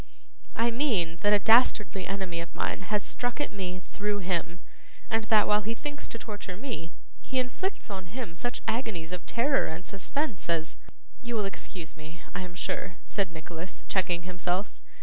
'I mean that a dastardly enemy of mine has struck at me through him, and that while he thinks to torture me, he inflicts on him such agonies of terror and suspense as You will excuse me, I am sure,' said Nicholas, checking himself.